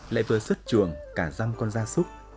lại vừa xuất chuồng cả dăm con da súc